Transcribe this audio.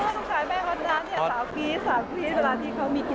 ขอสัญญาณแม่ฮอตนั้นเนี่ย๓ปี๓ปีเวลาที่เขามีกิจกรรมโรงเรียน